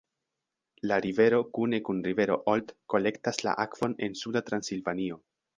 La rivero kune kun rivero Olt kolektas la akvon en Suda Transilvanio.